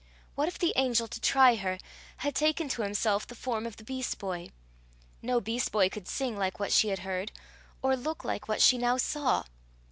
What if the angel, to try her, had taken to himself the form of the beast boy? No beast boy could sing like what she had heard, or look like what she now saw!